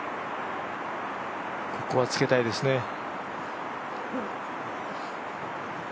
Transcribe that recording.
ここはつけたいですね。